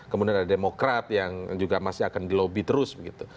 kemudian ada demokrat yang juga masih akan dilobi terus begitu